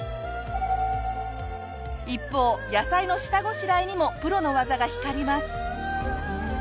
一方野菜の下ごしらえにもプロの技が光ります。